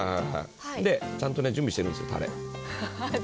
ちゃんと準備してるんです、たれ。